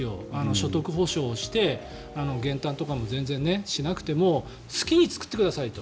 所得保証をして減反とかも全然しなくて好きに作ってくださいと。